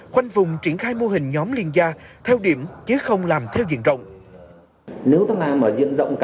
khoanh vùng triển khai mô hình nhóm liên gia theo điểm chứ không làm theo diện rộng